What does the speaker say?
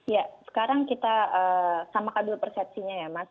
ya sekarang kita sama kadul persepsinya ya mas